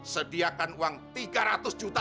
sediakan uang tiga ratus juta